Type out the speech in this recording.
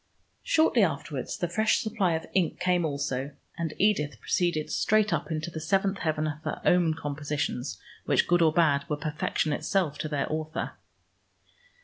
Shortly afterwards the fresh supply of ink came also, and Edith proceeded straight up into the seventh heaven of her own compositions, which, good or bad, were perfection itself to their author.